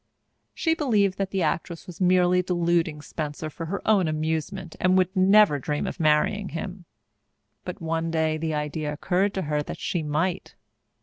She believed that the actress was merely deluding Spencer for her own amusement and would never dream of marrying him. But one day the idea occurred to her that she might.